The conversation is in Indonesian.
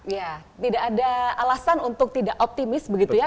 ya tidak ada alasan untuk tidak optimis begitu ya